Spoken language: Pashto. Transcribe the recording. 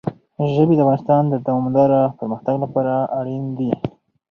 ژبې د افغانستان د دوامداره پرمختګ لپاره اړین دي.